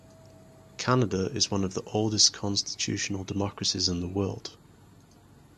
Canada is one of the oldest constitutional democracies in the world.